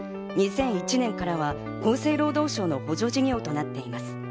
２００１年からは厚生労働省の補助事業となっています。